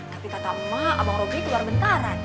tapi kata emak abang roky keluar bentaran